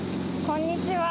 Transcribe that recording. こんにちは。